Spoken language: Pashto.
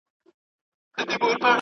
ایا هند کې هم د اجناسو بیې لوړې وې؟